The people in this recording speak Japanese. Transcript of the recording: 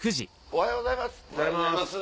おはようございます。